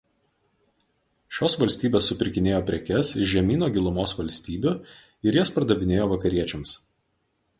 Šios valstybės supirkinėjo prekes iš žemyno gilumos valstybių ir jas pardavinėjo vakariečiams.